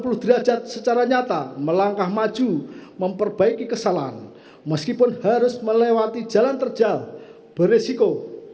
selanjutnya berbalik satu ratus delapan puluh derajat secara nyata melangkah maju memperbaiki kesalahan meskipun harus melewati jalan terjal berisiko